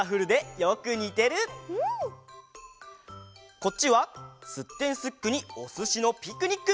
こっちは「すってんすっく！」に「おすしのピクニック」。